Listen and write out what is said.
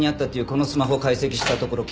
このスマホを解析したところ